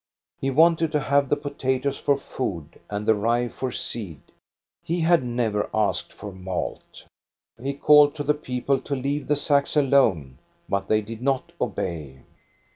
He wanted to have the potatoes for food, and the rye for seed; he had never asked for malt He called to the people to leave the sacks alone, but they did not obey.